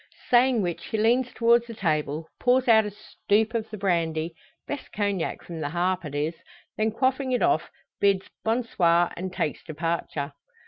Saying which he leans towards the table, pours out a stoop of the brandy best Cognac from the "Harp" it is then quaffing it off, bids "bon soir!" and takes departure.